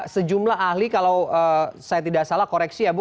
sejumlah ahli kalau saya tidak salah koreksi ya bu